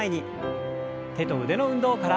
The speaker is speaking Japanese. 手と腕の運動から。